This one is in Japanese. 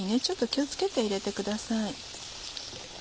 ちょっと気を付けて入れてください。